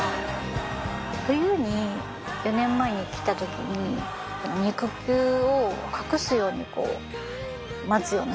冬に４年前に来た時に肉球を隠すようにこう待つようなしぐさだったり。